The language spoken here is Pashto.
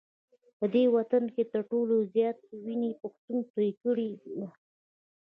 په دې وطن کي تر ټولو زیاته وینه پښتون توی کړې ده